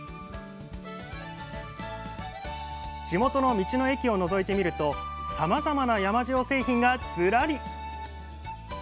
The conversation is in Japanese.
地元の道の駅をのぞいてみるとさまざまな山塩製品がずらり。